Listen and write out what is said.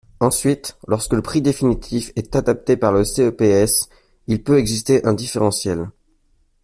Ensuite, lorsque le prix définitif est adapté par le CEPS, il peut exister un différentiel.